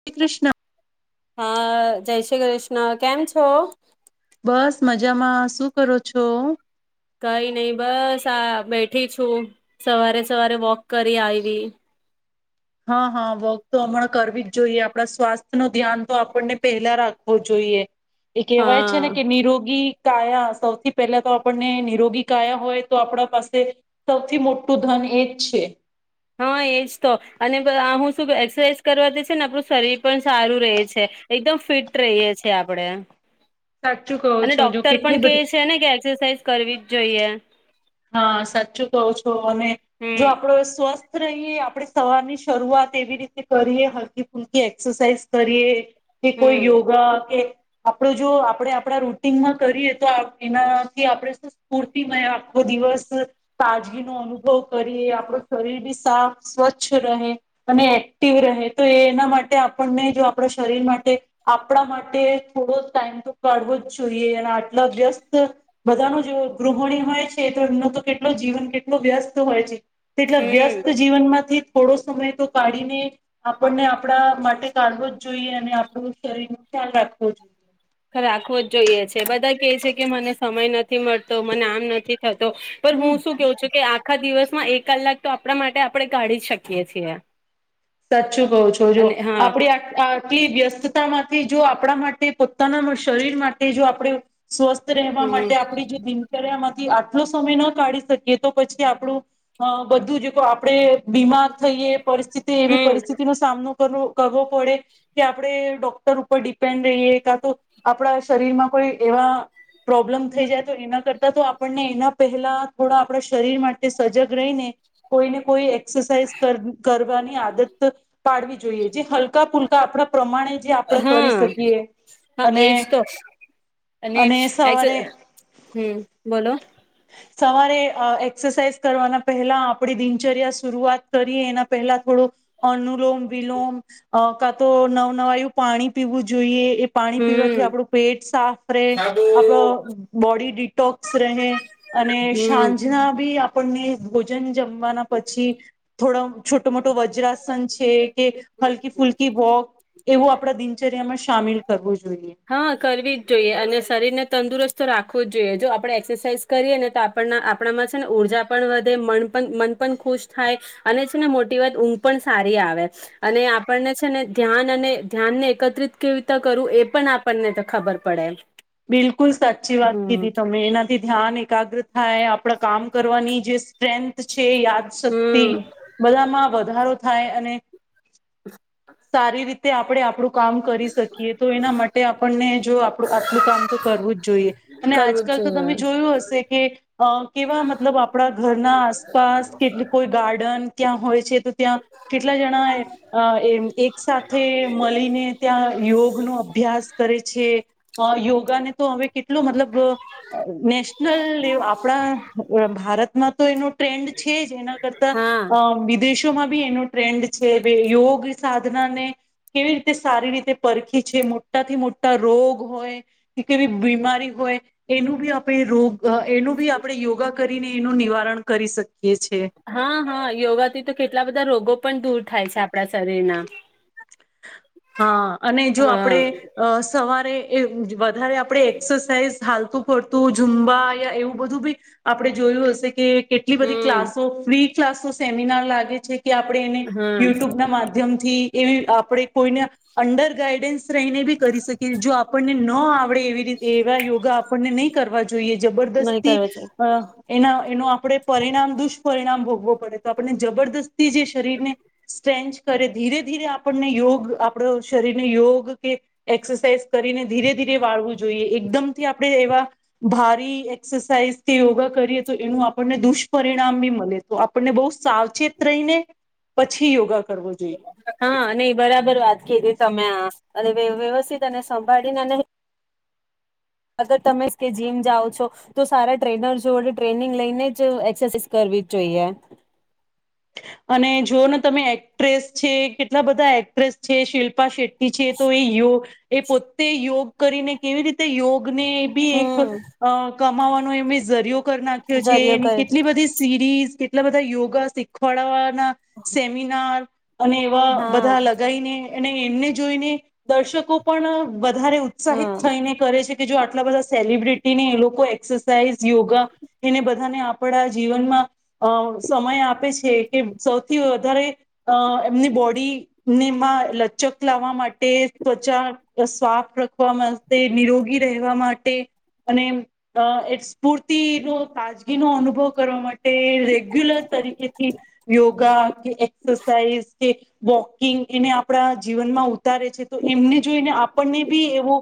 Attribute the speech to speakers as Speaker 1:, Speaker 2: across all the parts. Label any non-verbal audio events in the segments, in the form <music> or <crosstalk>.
Speaker 1: શ્રી કૃષ્ણ.
Speaker 2: હા જય શ્રી કૃષ્ણ. કેમ છો?
Speaker 1: બસ મજામાં શું કરો છો?
Speaker 2: કઈ નઈ બસ આ બેઠી છું સવારે સવારે વોક કરી આવી.
Speaker 1: હા હા વોક તો હમણાં કરવી જ જોઈએ, આપણા સ્વાસ્થ્ય ન ધ્યાન તો આપણને પહેલા રાખવો જોઈએ. એ કહેવાય છે ને
Speaker 2: હા.
Speaker 1: કે નિરોગી કાયા સૌથી પહેલા તો આપણને નિરોગી કાયા હોય તો આપણા પાસે, સૌથી મોટું ધન એ જ છે.
Speaker 2: હા એજ તો, અને હું શું એક્સરસાઇઝ કરવા દ છે ને આપણું શરીર પણ સારું રહે છે, એકદમ ફિટ રહીએ છીએ આપણે.
Speaker 1: સાચું કહો
Speaker 2: અને
Speaker 1: છો જો
Speaker 2: ડોક્ટર પણ
Speaker 1: કેટલી
Speaker 2: કે
Speaker 1: બધી
Speaker 2: છે ને કે એક્સરસાઇઝ કરવી જ જોઈએ.
Speaker 1: હા સાચું કહો છો અને, જો
Speaker 2: હમ
Speaker 1: આપડો સ્વસ્થ રહીએ આપણે સવાર ની શરૂઆત એવી રીતે કરીએ હલકી ફૂલકી એક્સરસાઇઝ કરીએ કે કોઈ
Speaker 2: હમ
Speaker 1: યોગ કે આપડ જો આપડે આપણા રૂટનમાં કરીએ તો એનાથી આપણેે શું સ્ફૂર્તિમય આપ દિવસ તાજગીનોઅનુભવ કરીએ આપણું શરીર બી સાફ સ્વચ્છ રહે, અને એક્ટિવ રહે તો એ એના માટે આપણને જો આપણા શરીર માટે, આપણા માટે થોડો ટાઈમ તો કાઢવો જ જોઈએ અને આટલા વ્યસ્ત, બધાનો જો ગૃહિણી હોય તો એમનો તો કેટલો જીવન કેટલો વ્યસ્ત હોય છે. તેટલા વ્યસ્ત
Speaker 2: હમ.
Speaker 1: જીવનમાંથી થોડું સમય તો કાઢીને આપણને આપણા માટે કાઢવો જ જોઈએ અને આપણું શરીર ન ખ્યાલ રાખવો જોઈએ.
Speaker 2: રાખવો જ જોઈએ છે બધા કે છે કે મને સમય નથી. નથી મળતો મને આમ નથી થતો, પણ હું શું કવ છું કે આખા દિવસ એક કલાક તો આપણા માટે આપણે કાઢી જ શકીએ છીએ.
Speaker 1: સાચું કહો છો જો,
Speaker 2: અને હા
Speaker 1: આપડી આટલી વ્યસ્તતામાં થી જો આપણા માટે પોતાના શરીર માટે જો આપણે સ્વસ્થ રહેવા
Speaker 2: હમ
Speaker 1: માટે આપડી જે દિનચર્યામાં આટલો સમય ના કાઢી શકીએ તો પછી આપણું, બધું આપણેે બીમાર થઈએ પરિસ્થિતિ
Speaker 2: હમ
Speaker 1: પરિસ્થિતિ નો સામનો કરવો પડે, કે આપણે ડોક્ટર ઉપર પેન્ડઈ ક તો આપણા શરીરમાં કોઈ એવા પ્રોબ્લમ થઈ જાય તો એના કરતા તો આપણને એના પહેલા થોડા આપણા શરીર માટે સજગ રહીને, કોઈને કોઈ એક્સરસાઇઝ કરવાની આદત પાડવી જોઈએ જે હલકા ફુલકા આપણા પ્રમાણે જે આપણે કરી
Speaker 2: હા
Speaker 1: શકીએ,
Speaker 2: હા
Speaker 1: અને
Speaker 2: એજ તો
Speaker 1: અને સવારે
Speaker 2: હમ બોલો
Speaker 1: સવારે એક્સરસાાઈઝ કરવાના પહેલા આપડી દિનચર્યા શરૂઆત કરીએ એના પહેલા થોડું અનુલોમ વિલોમ, કા તો નવ નવા એવું પાણી પીવું જોઈએ પાણી પીવાથી
Speaker 2: હમ
Speaker 1: આપણું પેટ સાફ રહે, આપડો બોડી ડિટોક્સ રહે, અને
Speaker 2: હમ
Speaker 1: સાંજના બી આપણને ભોજન જમવાના પછી થોડો છોટો મોટો વજ્ર સાામલ કરવું. જોઈએ
Speaker 2: હા કરવી જ જોઈએ અને શરીર ને તંદુરસ્ત તો રાખવું જ જોઈએ જો આપડણે એક્સરસાઇઝ કરીએ ને તો આપણ આપણામાં છે ને ઉઊર્જા પણ વધે મન પણ મન પણ ખુશ થાય અને છે ને મોટી વાત ઊંઘ પણ સારી આવે અને આપણને છે ને ધ્યાન અને ધ્યાન ને એકત્રિત કેવી રીતે કરવું એ પણ આપણને તો ખબર પડે,
Speaker 1: બિલકુલ સાચી વાત
Speaker 2: હમ
Speaker 1: કીધી તમે એનાથી ધ્યાન એકાગ્ર થાય આપણા કામ કરવાની જે સ્ટ્રેન્થ છે યાદ શક્તિ
Speaker 2: હમ
Speaker 1: બધામાં વધારો થાય અને સારી રીતે આપણે આપણું કામ કરી શકીએ તો એના માટે આપણને જો આપણું કામ તો કરવું જ જોઈએ અને
Speaker 2: કરવું
Speaker 1: આજકાલ
Speaker 2: જ
Speaker 1: તો તમે
Speaker 2: જોઈએ
Speaker 1: જોયું હશે કે કેવા મતલબ આપણા ઘરના આસપાસ કેટલી કોઈ ગાર્ડન ક્યાં હોય છે તો ત્યાં કેટલા જણા એ એક સાથેથે મળીને ત્યાં યોગનોો અભ્યાસ કરે છે યોગ ને તોવે એટ મતલબ નેશનલ આપણા ભારતમાં તો એનો ટ્રેન્ડ છે જ એના કરતા
Speaker 2: હા
Speaker 1: વિદેશોમાં બ એનું ટ્રેન્ડ છે યોગ સાધનાને કેવી રીતે સારી રીતે પરખી છે મોટાથી મોટા રોગ હોય કે કેવી બીમારી હોય એનું ભી આપે રોગ એનું બી આપણે યોગા કરીને એનું નિવારણ કરી શકે
Speaker 2: હા હા યોગાથી તો કેટલા બધા રોગો પણ દૂર થાય છે આપણા શરીરના
Speaker 1: હા અને જો
Speaker 2: હા
Speaker 1: આપણેે સવારે. એ. વધારે આપણે એક્સરસાઇઝ. થાલતું પડતું ઝુંમબા યા એવું બધું બી આપણે જોયું હશે કે. કેટલી બધી
Speaker 2: હમ
Speaker 1: ક્લાસો ફ્રી. ક્લાસ નું સેમિનાર લાગે છે. કે આપણે એને
Speaker 2: હા
Speaker 1: યુટ્યુબ ના માધ્યમથી. થી એવી આપ. આપણે કોઈને અંડર ગાઈડન્સ. હીને બી કરી શકી જો આપણને. ન આવે. આપ એવી રીતે એવા યોગા આપણને નહી કરવા જોઈએ
Speaker 2: નહી
Speaker 1: જબરદસ્તી
Speaker 2: કરો છો
Speaker 1: અ. એના એનો. આપણે પરિણામ દુષ્પિણામ ભો. પડે તો આપણને જબરદસ્ત. તી જે શરીરને સ્ટ્રેન્ચ કરે ધીરે-ધીરે આપ આપણને યોગ આપણો શરીર તે યોગ કે એક્સરસાઇઝ કરીને ધીરે-ધીરે વાળવું જોઈએ. એકદમથી આપણે એવા ભારી એક્સરસાઇઝ કે યોગા કરીએ તો એનું આપણને દુષ્પરિણામ બી મલે, તો આપણને બહું સાવચેત રહીને પછી યોગા કરવો જોઈએ
Speaker 2: હા નહી. બરાબર વાત કીધી તમે આ. અને વ્ય વ્યવસ્થિત અને સંભાળી નહી અગર તમેસ કે જીમ જાઓ છો તો સારા ટ્રેનર જોડે ટ્રેનિંગ લઈને જ એક્સરસાઇઝ કરવી જ જોઈએ.
Speaker 1: અને જોઓ ને તમે એક્ટ્રેસ છે, કેટલા બધા એક્ટ્રેસ છે, શિલ્પા શેટ્ટ ટી છે તો એ યોગ એ પોતે યોગ કરીને કેવી રીતે યોગ ને ભી એક
Speaker 2: હમ
Speaker 1: અહ કમાવાનો એમને ઝરીયો કર નાખ્યો છે,
Speaker 2: જરીયો
Speaker 1: એની
Speaker 2: કરી
Speaker 1: કેટલી
Speaker 2: દીધો
Speaker 1: બધી સીરીઝ એટલા બધા યોગા સીખ પળવા ના સેમિનાાર અને એવા
Speaker 2: હા
Speaker 1: બધા લગાઈને અને એમને જોઈને દર્શકો પણ વધારે ઉત્સાહિત
Speaker 2: હા
Speaker 1: થઈને કરે છે.. કે જો આટલા બધા સેલિબ્રિટીને એ લોકો એક્સરસાાઈઝ, યોગા એને બધાને આપણા જીવનમાં અહ સમય આપે છે. છે કે સૌથી વધારે અહ એમની બોડીને એમાં લચક લાવવા માટે, ત્વચા સ્વાફ રાખવા માટે, નિરોગી રહેવા, માટે અને એક સ્ફૂર્તિનો તાજગીનો અનુભવ કરવા માટે ટે રેગ્યુલર તરીકે થી યોગા કે એક્સરસાઈઝ કે વોકિંગ એને આપણા જીવનમાં ઉતારે છે. તો એમને જોઈને આપણને બી એવો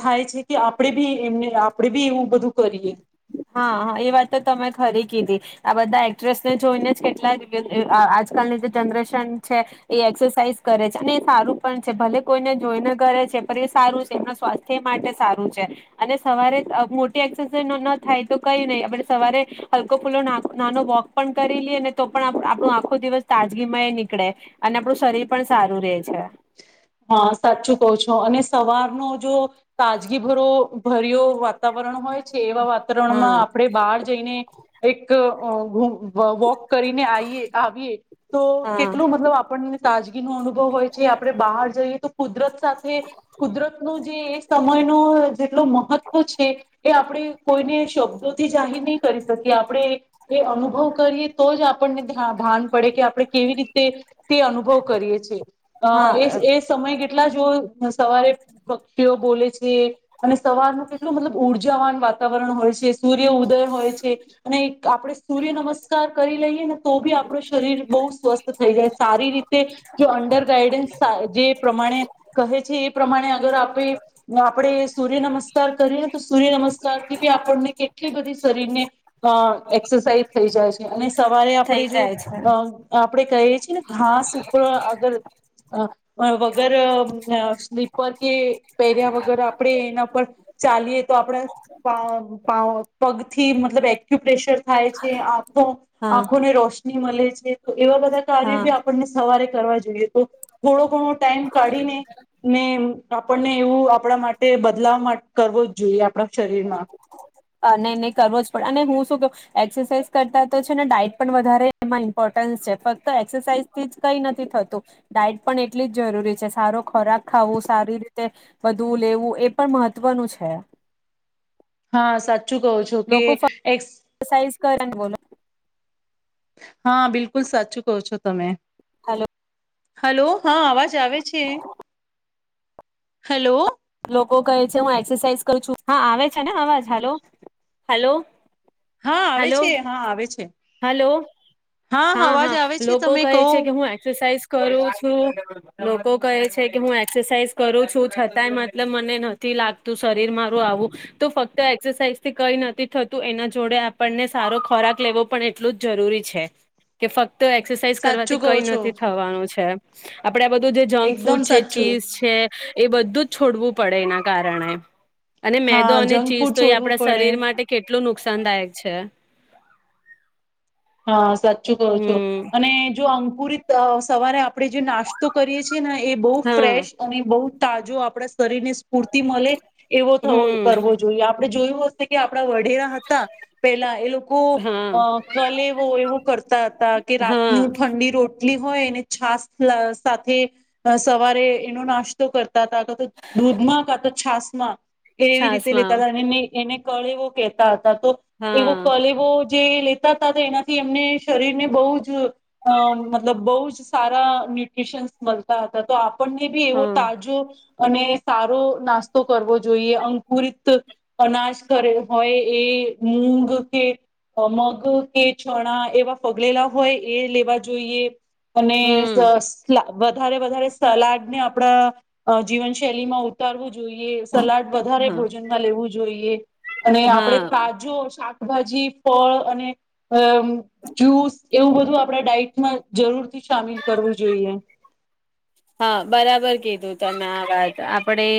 Speaker 1: થાય છે કે આપણે બી એમને આપણેે બી એવું બધું કરીએ.
Speaker 2: હા, હા એ વાત તો તમે ખરી કીધી. આ બધા એક્ટ્રેસને જોઈને જ કેટલાક અહ આજકાલની જે જનરેશન છે એ એક્સરસાઇઝ કરે છે, અને એ સારું પણ છે. ભલે કોઈને જોઈને કરે છે પણ એ સારું છે, એમના સ્વાસ્થ્ય માટે સારું છે. અને સવારે અહ મોટી એક્સરસાઇઝ <unintelligible> થાય તો કઈ નહી. આપડે સવારે હલકો ફુલ્લો ના નાનો વોક પણ કરી લીએ ને તો પણ આપણું આખો દિવસ તાજગીમય નીકળે અને આપણું શરીર પણ સારું રે છે.
Speaker 1: હા સાચું કહો છો અને સવારનો જો તાજગી ભરો ભર્યો વાતાવરણ હોય છે એવા વાતાવરણમાં
Speaker 2: હા
Speaker 1: આપણે બહાર જઈને એક <unintelligible> વો વોક કરીને આઈએ આવીએ તો
Speaker 2: હા
Speaker 1: કેટલું મતલબ આપણને તાજગી નો અનુભવ હોય છે, આપણે બહાર ની તો કુદરત સાથે કુદરત નું જે એ સમય નો જેટલો મહત્વ છે એ આપણે કોઈને શબ્દોથી જાહેર નહીં કરી શકીએ આપણે એ અનુભવ કરીએ તો જ આપ આપણને ભાન પડે કે આપણે કેવી રીતે તે અનુભવ કરીએ છીએ. અહ
Speaker 2: હા
Speaker 1: એ જ એ જ તમે કેટલા જો સવારે પક્ષીઓ બોલે છે. અને સવારનું કેટલું મતલબ ઉર્જા- ઊર્જાવાન વાતાવરણ હોય છે. સૂર્ય ઉદય હોય છે અને એક આપણે સૂર્ય નમસ્કાર કરી લઈએ ને તો બી આપણું શરીર બહુ સ્વસ્થ થઈ જાય સારી રીતે. જો અંડર ગાાઈડન્સ <unintelligible> પ્રમાણે કહે છે એ પ્રમાણે અગર આપે આપણે એ અગર આપડે સૂર્ય નમસ્કાર કરીએને તો સૂર્ય નમસ્કાર થી બી આપણને કેટલી બધી શરીરને અહ એક્સરસાઇઝ થઈ જાય છે. અને સવારે
Speaker 2: થઈ
Speaker 1: આપણે જો
Speaker 2: જાય છે
Speaker 1: અહ અહ આપડે કહીએ છીએ ને હા સુપર આગળ હા વગર અહ સ્લીપર કે પહેર્યા વગર આપણેે એના પર ચાલીએ તો આપણે પા પા પગથી મતલબ એક્યુપેશર થાય છે આંખો
Speaker 2: હા
Speaker 1: આંખોને રોશ ની મળે છે એવા બધા કાર્યો
Speaker 2: હા
Speaker 1: બી આપણને સવારે કરવા જોઈએ. <unintelligible> થોડો ટાઈમ કાઢીને ને આપણને એવું આપણા માટે બદલાવ કરવો જ જોઈએ એમ
Speaker 2: અ નહી નહી કરવો જ પડે અને હું શું કવ એક્સરસાઇઝ કરતા તો છે ને ડાઈટમાં પણ વધારે ઈમ્પોટન્સ છે. ફક્ત એક્સરસાઇઝ થી જ કઈ નથી થતું એટલી જ જરૂરી છે. સારો ખોરાક ખાવું, સારી રીતે વધુ લેવું એ પણ મહત્વનું છે.
Speaker 1: હા સાચુ સાચું કહું છે જે
Speaker 2: લોકો
Speaker 1: એક્સ
Speaker 2: ફક્ત એક્સરસાઇઝ કરે ને બોલો
Speaker 1: હા બિલકુલ સાચું કહો છો તમે.
Speaker 2: હલો
Speaker 1: હલો હા અવાજ આવે છે. હેલો
Speaker 2: છ હા આવે છે ને અવાજ હલો હલો
Speaker 1: હા આવે
Speaker 2: હલો
Speaker 1: છે હા આવે છે
Speaker 2: હલો હા હા
Speaker 1: અવાજ આવે છે
Speaker 2: લોકો
Speaker 1: તમે
Speaker 2: કહે
Speaker 1: કહો
Speaker 2: છે કે હું એક્સરસાઇઝ કરું છું લોકો કહે છે કે હું એક્સરસાઇઝ કરું છું છતાંય મતલબ મને નથી લાગતું શરીર મારું આવું તો ફક્ત એક્સરસાઇઝથી કઈ નથી થતું એના જોડે આપણને સારો ખોરાક લેવો. પણ એટલું જ જરૂરી છે કે ફક્ તો એક્સરસાઇઝ
Speaker 1: સાચું
Speaker 2: કરવાથી
Speaker 1: કહો
Speaker 2: કઈ
Speaker 1: છો
Speaker 2: નથી થવાનું છે. આપ આપડે બધું જે જંક
Speaker 1: એકદમ
Speaker 2: ફૂડ છે
Speaker 1: સાચું
Speaker 2: ચીઝ છે એ બધું જ છોડવું પડે એના કારણે અને મેદો
Speaker 1: હા
Speaker 2: અને
Speaker 1: જંક
Speaker 2: ચીઝ
Speaker 1: ફૂડ
Speaker 2: તો એ
Speaker 1: છોડવું
Speaker 2: આપણા
Speaker 1: પડે
Speaker 2: શરીર માટે કેટલું નુકસાનદાયક છે.
Speaker 1: હા સા કહો છો
Speaker 2: હમ
Speaker 1: અને જો આમ પુરી સવારે આપ આપણે જે નાસ્તો કરીએ છીએ ને એ બહુ
Speaker 2: હા
Speaker 1: ફ્રેશ અને બહુ તાજો આપણા શરીર ને પૂર્તિ મળે એવો
Speaker 2: હમ
Speaker 1: કરવો જોઈએ. આપણે જોયું હશે કે આપણે. આપ વઢેરા હતા પેલા એ લોકો
Speaker 2: હા
Speaker 1: અ ગલે એવો એવું કરતા હતા કે રાતની
Speaker 2: હા
Speaker 1: ઠંડી રોટ કેટલી હોય એને છાસ સાથે સવારે એનો નાસ્તો કરતા હતા ક તો દૂધમાં કા તો છાસ માં એ એવી રીતે લેતા
Speaker 2: છાસમાં
Speaker 1: હતા અને એને કળેવો કહેતા. તો એવો
Speaker 2: હા
Speaker 1: કલેવો તે <unintelligible> તો એનાથી એમને શરીરને બવ જ મતલબ બવ જ સારા ન્યુટ્રીશનસ મળતા હતા તો આ આપણને બી એવો
Speaker 2: હા
Speaker 1: તાજો. અને સારો નાસ્તો કરવો જોઈએ અંકુરિત અનાજ ઘરે હોય એ મૂગ કે મગ કે ચણા એવા પગળેલા હોય એ લેવા જોઈએ. અને સ
Speaker 2: હમ
Speaker 1: સ્લા વધારે વધારે સલાડ ને આપણા જીવનશૈલીમાં ઉતારવું જોઈ જોઈએ. સલાડ વધારે
Speaker 2: હા
Speaker 1: ભોજનમાં લેવું જોઈએ અને આપડે
Speaker 2: હા
Speaker 1: તાજો શા ભાજી, ફળ અને અ જૂસ. એવું બધું આપડા ડાઈટમાં જરૂર થી સામેલ કરવું જોઈએ.
Speaker 2: હા બરાબર કીધું તમે આ વાત આપણેે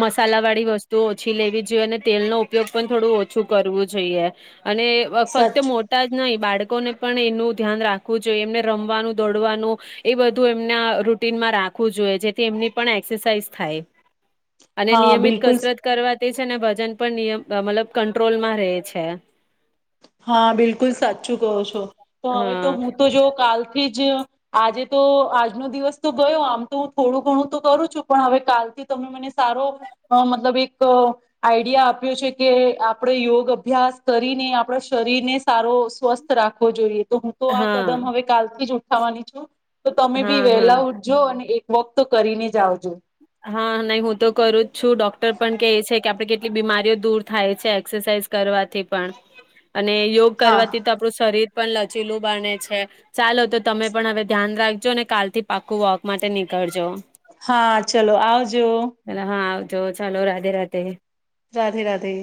Speaker 2: મસાલા વાળી વસ્તુ ઓછી લેવી જોઈએ અને તેલનો ઉપયોગ પણ થોડું ઓછું કરવું જોઈએ. અને ફક્ત
Speaker 1: સચ
Speaker 2: મોટા જ નહી બાળ બાળકોને પણ એનું ધ્યાન રાખવું જોઈએ એમને રમવાનું દોડવાનું એ બધું એમના રૂટ રૂટીનમાં રાખવું જોઈએ જેથી એમની પણ એક્સરસાઇઝ થાય. અને
Speaker 1: હા
Speaker 2: નિયમિત
Speaker 1: બિલકુલ
Speaker 2: કસરત કરવા તે છે ને વજન પણ નિયમ મતલબ કંટ્રોલમાં રહે છે.
Speaker 1: હા બિલકુલ સાચું કહો છો. તો હવે તો
Speaker 2: હા
Speaker 1: હું તો જો કાલ થીજ આજે તો આજનો દિવસ તો ગયો આમ તો હું થોડું ઘણું તો કરું છું પણ હવે કાલથી તમે મને સારો મતલબ એક આઈડિયા આપ્યો છે કે આપણે યોગ અભ્યાસ કરીને આપણા શરીર ને સારો સ્વસ્થ રાખવો જોઈએ. તો હું તો આ
Speaker 2: હા
Speaker 1: કદમ હવે કાલથી જ ઉઠાવાની છું. તો તમે બી
Speaker 2: હા
Speaker 1: વહેલા
Speaker 2: હા
Speaker 1: ઉઠજો અને એ વોક તો કરીને જ આવજો.
Speaker 2: હા નહી હું તો કરું જ છું ડોક્ટર પણ કે છે કે આપડે કેટલી બીમારીઓ દૂર થાય છે એક્સરસાઇઝ કરવાથી પણ. અને યોગ
Speaker 1: હા
Speaker 2: કરવાથી તો આપણું શરીર પણ લચીલું બને છે ચાલો તો તમે પણ હવે ધ્યાન રાખજો ને કાલથી પાકું વોક માટે નીકળજો.
Speaker 1: હા. ચલો આવજો.
Speaker 2: જો ચાલો રાધે રાધે.
Speaker 1: રાધે રાધે.